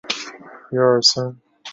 大家要看清楚。